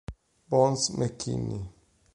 Bones McKinney